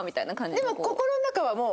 でも心の中はもう。